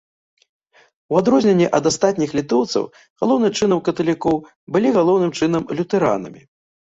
У адрозненне ад астатніх літоўцаў, галоўным чынам каталікоў, былі галоўным чынам лютэранамі.